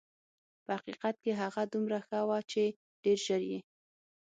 په حقیقت کې هغه دومره ښه وه چې ډېر ژر یې.